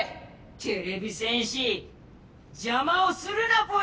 てれび戦士じゃまをするなぽよ！